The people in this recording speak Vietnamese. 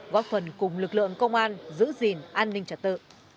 góp phần cùng lực lượng công an giữ gìn an ninh trật tự